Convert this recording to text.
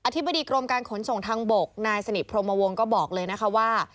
ธิบดีกรมการขนส่งทางบกนายสนิทพรมวงศ์ก็บอกเลยนะคะว่า